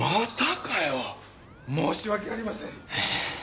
申し訳ありません。